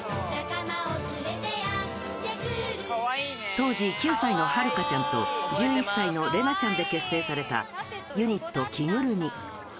当時９歳のハルカちゃんと、１１歳のレナちゃんで結成されたユニット、キグルミ。